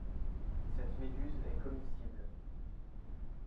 Cette méduse est comestible.